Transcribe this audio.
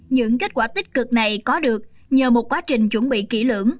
những kết quả tích cực này có được nhờ một quá trình chuẩn bị kỹ lưỡng